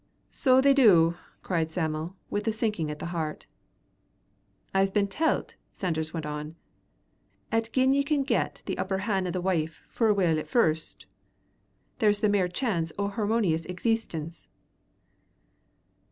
"So they do," cried Sam'l, with a sinking at the heart. "I've been telt," Sanders went on, "'at gin you can get the upper han' o' the wife for awhile at first, there's the mair chance o' a harmonious exeestence."